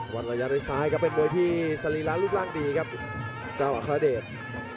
วันระยะด้วยซ้ายครับเป็นมวยที่สรีระรูปร่างดีครับเจ้าอัครเดช